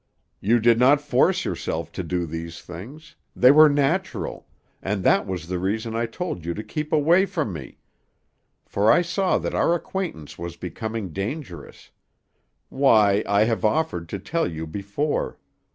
You did not force yourself to do these things; they were natural, and that was the reason I told you to keep away from me, for I saw that our acquaintance was becoming dangerous; why, I have offered to tell you before.